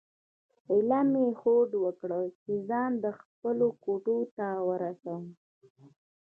ایله مې هوډ وکړ چې ځان خپلو کوټې ته ورسوم.